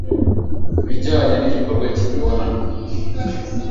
ibijyanye n’igikorwa cy’imibonano,